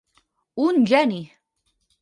Un geni!